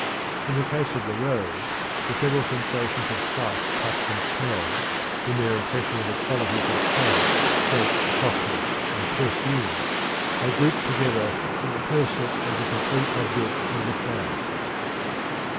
In the case of the rose, the several sensations of sight, touch, and smell, in their impression of the qualities of color, shape, softness, and perfume, are grouped together in the percept of the complete object of the flower.